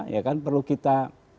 ya kan perlu kita